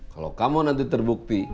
kalau kamu nanti terbukti